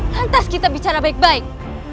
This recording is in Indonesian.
lantas kita bicara baik baik